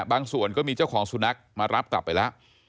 ส่วนก็มีเจ้าของสุนัขมารับกลับไปแล้ว